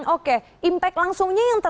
oke impact langsungnya yang